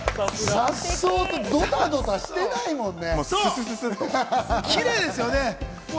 さっそうと、ドタバタしてないもんね。